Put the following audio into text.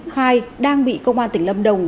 khai đang bị công an tỉnh lâm đồng